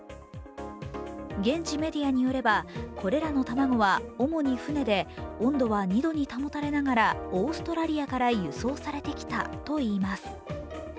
現地メディアによれば、これらの卵は主に船で温度は２度に保たれながらオーストラリアから輸送されてきたといいます。